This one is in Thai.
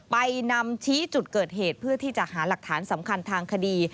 ไปนำชี้จุดเกิดเหตุเพื่อที่จะหาหลักฐานสำคัญทางคดี